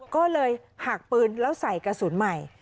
ก็เลยหักปืนแล้วใส่กระสุนใหม่